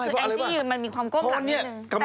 คืออันที่ยืนมันมีความก้มหลังนิดหนึ่ง